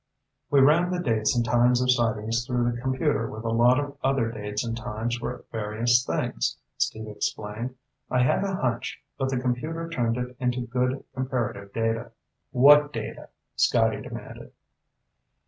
"We ran the dates and times of sightings through the computer with a lot of other dates and times for various things," Steve explained. "I had a hunch, but the computer turned it into good comparative data." "What data?" Scotty demanded.